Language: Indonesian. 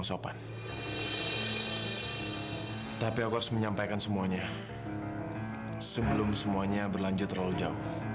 sampai jumpa di video selanjutnya